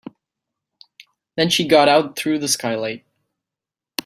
Then she got out through the skylight.